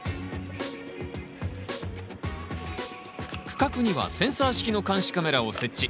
区画にはセンサー式の監視カメラを設置。